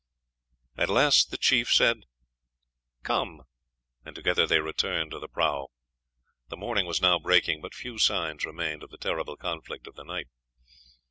At last the chief said, "Come," and together they returned to the prahu. The morning was now breaking, and but few signs remained of the terrible conflict of the night.